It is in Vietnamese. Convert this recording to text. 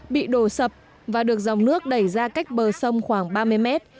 bị đổ sập và được dòng nước đẩy ra cách bờ sông khoảng ba mươi mét